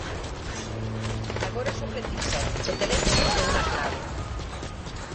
Agora só precisan o teléfono e unha clave.